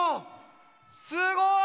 すごい！